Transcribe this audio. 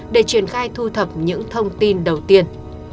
để triển khai thu thập những thông tin đầu tiên